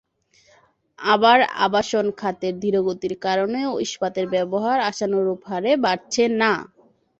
আবার আবাসন খাতের ধীরগতির কারণেও ইস্পাতের ব্যবহার আশানুরূপ হারে বাড়ছে না।